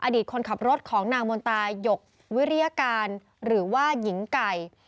คนขับรถของนางมนตายกวิริยการหรือว่าหญิงไก่